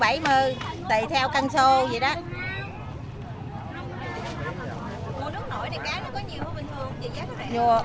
mùa nước nổi thì cá nó có nhiều hơn bình thường giá có rẻ không